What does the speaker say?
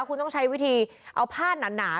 คุณต้องใช้วิธีเอาผ้าหนา